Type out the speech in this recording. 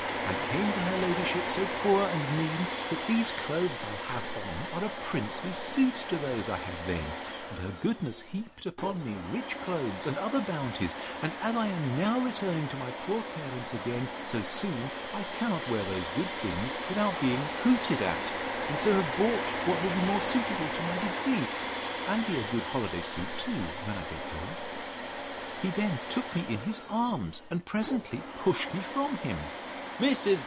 I came to her ladyship so poor and mean, that these clothes I have on, are a princely suit to those I had then: and her goodness heaped upon me rich clothes, and other bounties: and as I am now returning to my poor parents again so soon, I cannot wear those good things without being hooted at; and so have bought what will be more suitable to my degree, and be a good holiday suit too, when I get home. He then took me in his arms, and presently pushed me from him. Mrs.